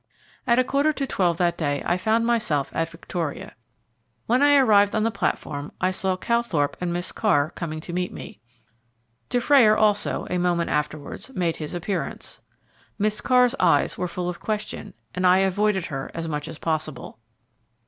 At a quarter to twelve that day I found myself at Victoria. When I arrived on the platform I saw Calthorpe and Miss Carr coming to meet me. Dufrayer also a moment afterwards made his appearance. Miss Carr's eyes were full of question, and I avoided her as much as possible.